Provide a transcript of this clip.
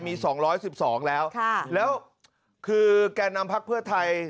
มี๒๑๒แล้วแล้วคือแก่นำพักเพื่อไทย